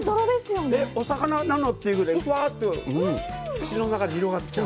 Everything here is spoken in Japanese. お魚なの？ってぐらいふわっと口の中に広がっちゃう。